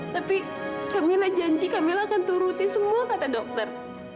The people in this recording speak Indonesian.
tapi kamila janji kamila akan turuti semua kata dokter